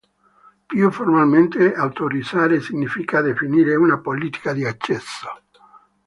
Più formalmente, autorizzare significa definire una politica di accesso.